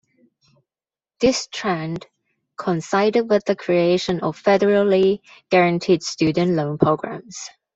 This trend coincided with the creation of Federally guaranteed student loan programs.